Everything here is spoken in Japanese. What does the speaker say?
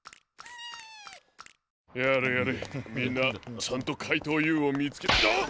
やれやれみんなちゃんとかいとうＵをみつけあっ！